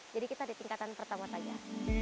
jadi kita di tingkatan pertama saja